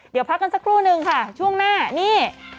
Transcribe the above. เดี๋ยวพักกันสักครู่นึงค่ะช่วงหน้านี่